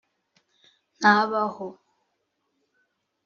ntabaho